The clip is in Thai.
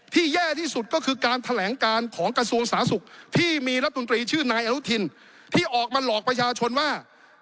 แย่ที่สุดก็คือการแถลงการของกระทรวงสาธารณสุขที่มีรัฐมนตรีชื่อนายอนุทินที่ออกมาหลอกประชาชนว่า